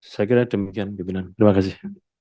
saya kira demikian pimpinan terima kasih